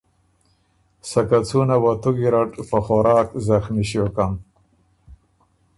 سکه څُونه وه تُو ګیرډ په خوراک زخمی ݭیوکم۔